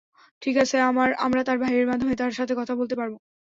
ঠিক আছে, আমরা তার ভাইয়ের মাধ্যমে তার সাথে কথা বলতে পারব।